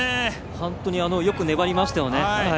本当によく粘りましたよね。